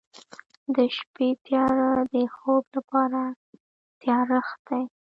د شپې تیاره د خوب لپاره تیارښت دی.